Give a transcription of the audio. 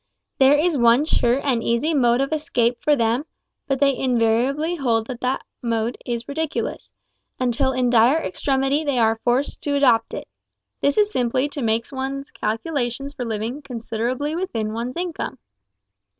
There is one sure and easy mode of escape for them, but they invariably hold that mode to be ridiculous, until in dire extremity they are forced to adopt it. This is simply to make one's calculations for living considerably within one's income!